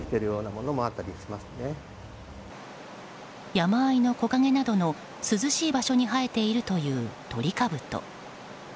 山あいの木陰などの涼しい場所に生えているというトリカブト。